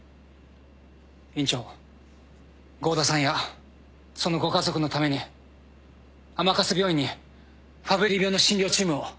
院長郷田さんやそのご家族のために甘春病院にファブリー病の診療チームを作ってもらえませんか？